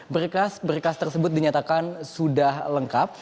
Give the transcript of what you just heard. berkas berkas tersebut dinyatakan sudah lengkap